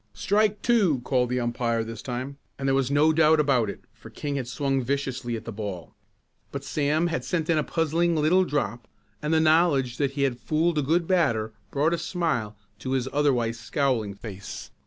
"Strike two!" called the umpire this time, and there was no doubt about it for King had swung viciously at the ball. But Sam had sent in a puzzling little drop, and the knowledge that he had fooled a good batter brought a smile to his otherwise scowling face.